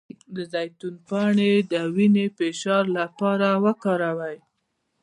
د زیتون پاڼې د وینې د فشار لپاره وکاروئ